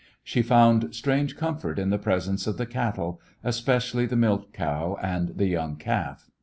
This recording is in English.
She found strange comfort in the presence of the cattle, especially the milch cow and the young calf.